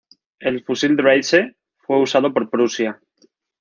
El fusil Dreyse fue usado por Prusia.